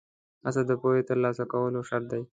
هڅه د پوهې ترلاسه کولو شرط دی.